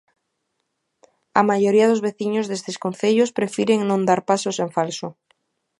A maioría dos veciños destes concellos prefiren non dar pasos en falso.